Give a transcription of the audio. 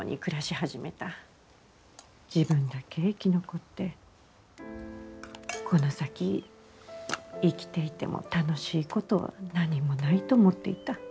自分だけ生き残ってこの先生きていても楽しいことは何もないと思っていた。